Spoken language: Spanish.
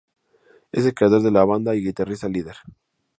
Es el creador de la banda y guitarrista líder.